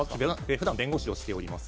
ふだん弁護士をしております